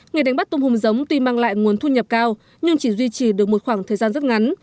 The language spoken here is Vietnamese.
nghề đánh bắt tôm hùm giống tuy mang lại nguồn thu nhập cao nhưng chỉ duy trì được một khoảng thời gian rất ngắn